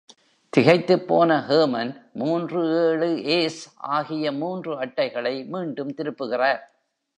திகைத்துப்போன Herman, மூன்று-ஏழு-ஏஸ் ஆகிய மூன்று அட்டைகளை மீண்டும் திருப்புகிறார்.